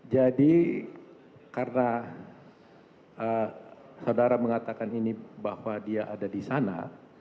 jadi karena saudara mengatakan ini bahwa dia ada di sana